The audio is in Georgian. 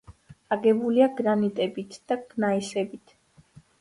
აგებულია გრანიტებითა და გნაისებით.